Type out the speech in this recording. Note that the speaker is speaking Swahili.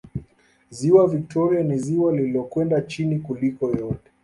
Ziwa Viktoria ni ziwa illokwenda chini kuliko yote